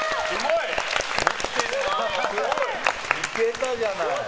すごい！いけたじゃない。